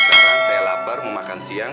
sekarang saya lapar mau makan siang